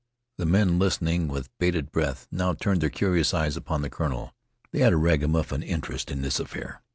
The men, listening with bated breath, now turned their curious eyes upon the colonel. They had a ragamuffin interest in this affair.